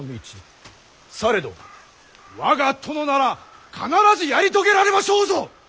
されど我が殿なら必ずやり遂げられましょうぞ！